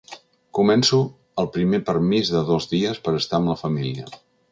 Començo el primer permís de dos dies per estar amb la família.